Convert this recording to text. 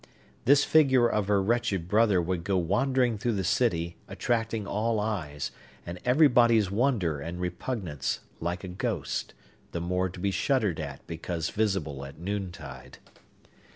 This figure of her wretched brother would go wandering through the city, attracting all eyes, and everybody's wonder and repugnance, like a ghost, the more to be shuddered at because visible at noontide.